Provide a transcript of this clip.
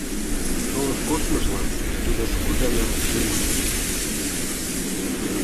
Шолышт коштмыжлан тудо шуко гана тюрьмаште шинчен.